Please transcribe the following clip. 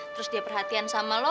terus dia perhatian sama lo